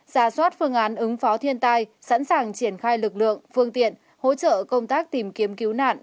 ra soát phương án ứng phó thiên tai sẵn sàng triển khai lực lượng phương tiện hỗ trợ công tác tìm kiếm cứu nạn